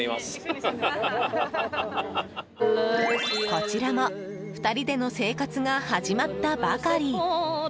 こちらも２人での生活が始まったばかり。